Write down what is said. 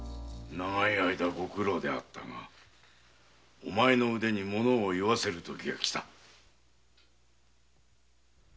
長い間ご苦労であったがお前の腕前を見せる時がきた。